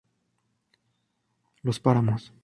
Los páramos.